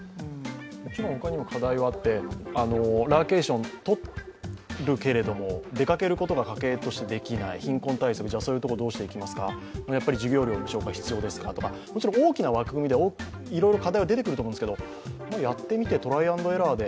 もちろん他にも課題はあってラーケーション取るけれども出かけることが家計としてできない、貧困対策、そういうとこどうしていきますか、授業料無償化は必要ですかと大きな枠組みでいろいろ課題は出てくると思うけどやってみて、トライアンドエラーで